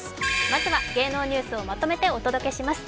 まずは芸能ニュースをまとめてお届けします